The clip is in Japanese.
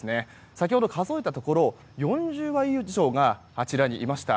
先ほど数えたところ４０羽以上があちらにいました。